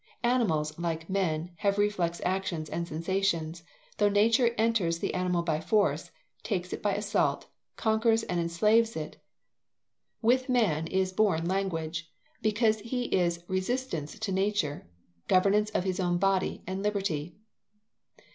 Animals, like men, have reflex actions and sensations, though nature enters the animal by force, takes it by assault, conquers and enslaves it. With man is born language, because he is resistance to nature, governance of his own body, and liberty.